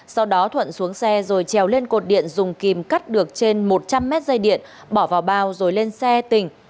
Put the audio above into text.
sau đó thuận xuống xe rồi trèo lên cột điện dùng kìm cắt được trên một trăm linh mét dây điện bỏ vào bao rồi lên xe tỉnh